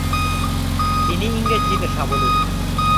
তিনি ইংরেজিতে সাবলীল।